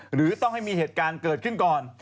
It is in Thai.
หรือต้องให้มีเหตุการณ์เกิดขึ้นก่อน